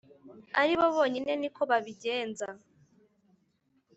aribo bonyine ni ko babigenza.